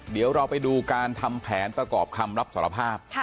เดี๋ยวเราไปดูการทำแผนประกอบคำรับสารภาพ